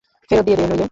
ফেরত দিয়ে দে, নইলে।